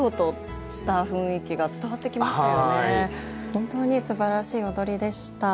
本当にすばらしい踊りでした。